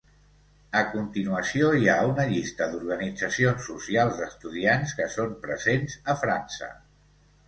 A continuació hi ha una llista d'organitzacions socials d'estudiants que són presents a França.